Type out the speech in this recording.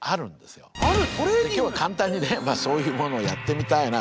今日は簡単にねそういうものをやってみたいなと思って。